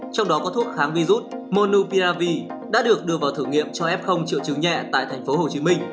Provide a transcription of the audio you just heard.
trong đó có thuốc kháng virus monopia vi đã được đưa vào thử nghiệm cho f triệu chứng nhẹ tại tp hcm